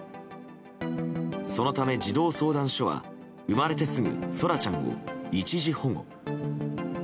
そのため、児童相談所は生まれてすぐ空来ちゃんを一時保護。